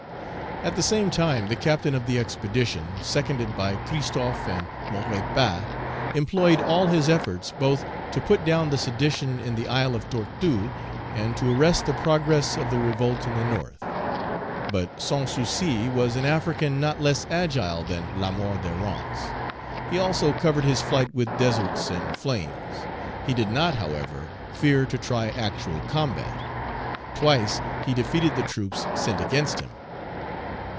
At the same time the captain of the expedition, seconded by Christophe and Maurepas, employed all his efforts both to put down the sedition in the Isle of Tortue, and to arrest the progress of the revolt in the North. But Sans Souci was an African not less agile than Lamour de Rance. He also covered his flight with deserts and flames; he did not, however, fear to Page 249 try actual combat. Twice he defeated the troops sent against him.